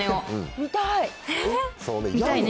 見たいね。